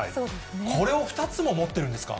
これを２つも持ってるんですか？